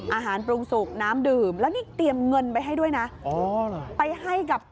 อาหารปรุงสุกน้ำดื่มแล้วนี่เตรียมเงินให้ด้วยนะ